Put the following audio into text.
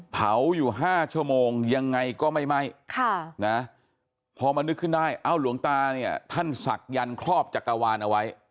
เผาอยู่๕ชั่วโมงยังไงก็ไม่ไหม้พอมานึกขึ้นได้เอ้าหลวงตาเนี่ยท่านศักดิ์ครอบจักรวาลเอาไว้